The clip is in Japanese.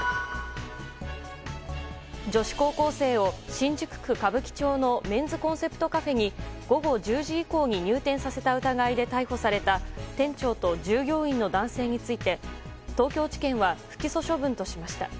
女子高校生を新宿区歌舞伎町のメンズコンセプトカフェに午後１０時以降に入店させた疑いで逮捕された店長と従業員の男性について東京地検は不起訴処分としました。